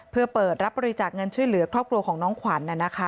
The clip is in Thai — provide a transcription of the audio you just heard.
เพื่อเปิดรับบริจาคเงินช่วยเหลือครอบครัวของน้องขวัญ